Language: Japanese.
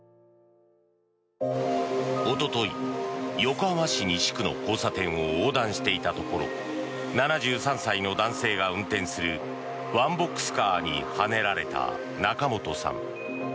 おととい、横浜市西区の交差点を横断していたところ７３歳の男性が運転するワンボックスカーにはねられた仲本さん。